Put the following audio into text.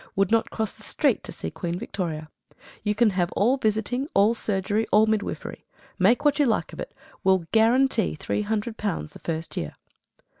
Would not cross the street to see Queen Victoria. You can have all visiting, all surgery, all midwifery. Make what you like of it. Will guarantee three hundred pounds the first year."